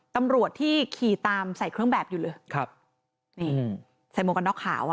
ตำรวจที่ขี่ตามใส่เครื่องแบบอยู่เลยครับนี่ใส่หมวกกันน็อกขาวอ่ะ